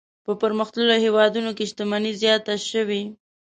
په پرمختللو هېوادونو کې شتمني زیاته شوې.